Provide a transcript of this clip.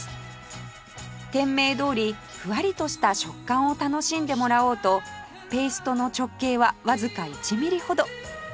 店名どおり「ふわり」とした食感を楽しんでもらおうとペーストの直径はわずか１ミリほど